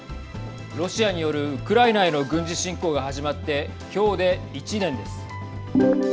ロシアによるウクライナへの軍事侵攻が始まって今日で１年です。